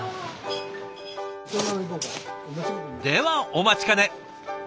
ではお待ちかね。